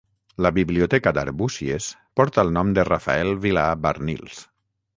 La biblioteca d'Arbúcies porta el nom de Rafael Vilà Barnils.